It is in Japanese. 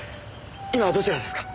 今どちらですか？